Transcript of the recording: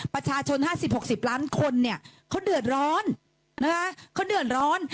ประชาชน๕๐๖๐ล้านคนเนี่ยเขาเดือดร้อนนะคะเขาเดือดร้อน